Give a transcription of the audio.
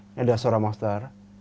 ini ada suara monster